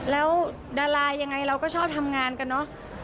แล้วดารายังไงเราก็ชอบทำงานกันเนอะ